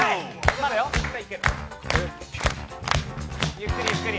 ゆっくりゆっくり。